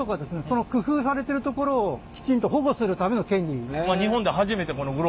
その工夫されてるところをきちんと保護するための権利。